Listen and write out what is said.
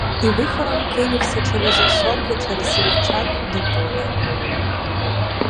І вихором кинувся через осоку, через рівчак до поля.